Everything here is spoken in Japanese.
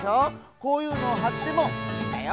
こういうのをはってもいいんだよ。